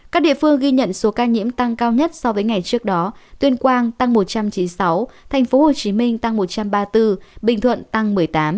các địa phương ghi nhận số ca nhiễm tăng cao nhất so với ngày trước đó tuyên quang tăng một trăm chín mươi sáu tp hcm tăng một trăm ba mươi bốn bình thuận tăng một mươi tám